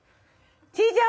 チーちゃん